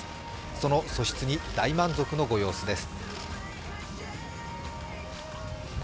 その素質に大満足のご様子です。